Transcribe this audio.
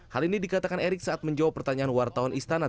hal ini dikatakan erick saat menjawab pertanyaan wartawan istana